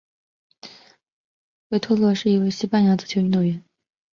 维托洛是一位西班牙足球运动员。